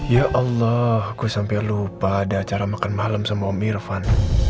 ya allah gue sampai lupa ada acara makan malam sama om irfan